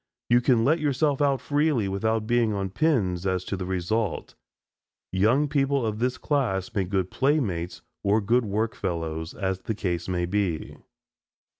You can let yourself out freely without being on pins as to the result. Young people of this class make good playmates or good work fellows, as the case may be.